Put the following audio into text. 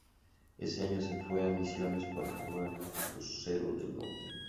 Ese año se fue a Misiones para jugar en Crucero del Norte.